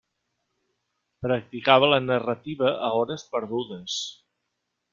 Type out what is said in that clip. Practicava la narrativa a hores perdudes.